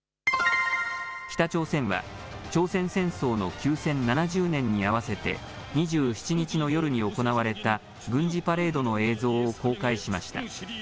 北朝鮮は、朝鮮戦争の休戦７０年に合わせて、２７日の夜に行われた軍事パレードの映像を公開しました。